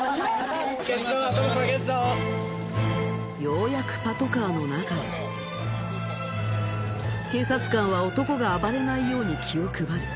ようやくパトカーの中へ警察官は男が暴れないように気を配る